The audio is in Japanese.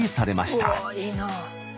いいな。